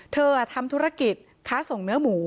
ทำธุรกิจค้าส่งเนื้อหมู